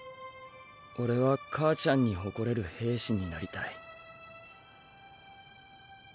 俺は母ちゃんに誇れる兵士になりたい。